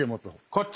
こっち。